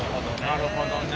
なるほどね。